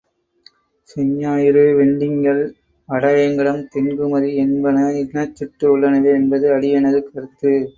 செஞ்ஞாயிறு வெண்டிங்கள், வடவேங்கடம் தென்குமரி என்பன இனச் சுட்டு உள்ளனவே என்பது அடியேனது கருத்து.